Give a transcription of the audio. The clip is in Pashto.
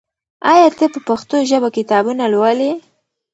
آیا ته په پښتو ژبه کتابونه لولې؟